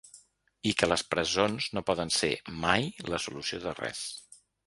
I que les presons no poden ser, mai, la solució de res.